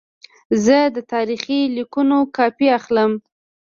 زه د تاریخي لیکونو کاپي اخلم.